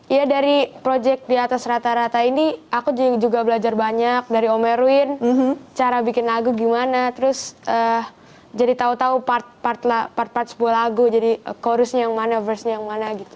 iya dari project di atas rata rata ini aku juga belajar banyak dari omerwin cara bikin lagu gimana terus jadi tau tau part part sebuah lagu jadi corusnya yang mana firstnya yang mana gitu